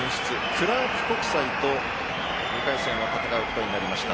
クラーク国際と２回戦を戦うことになりました。